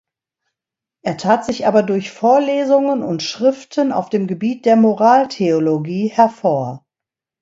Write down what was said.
Er tat sich aber durch Vorlesungen und Schriften auf dem Gebiet der Moraltheologie hervor.